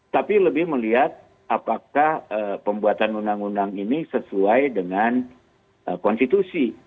tapi lebih melihat apakah pembuatan undang undang ini sesuai dengan konstitusi